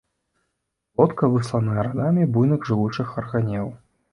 Глотка высланая радамі буйных жыгучых арганел.